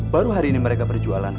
baru hari ini mereka berjualan